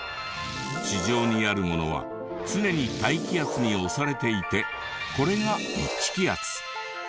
地上にあるものは常に大気圧に押されていてこれが１気圧。